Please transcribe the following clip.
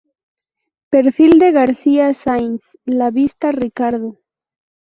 Perfil de García Sainz Lavista, Ricardo